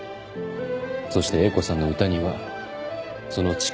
そして英子さんの歌にはその力がある。